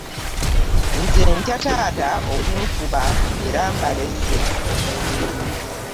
Nze ntya taata okunkuba era mbalese.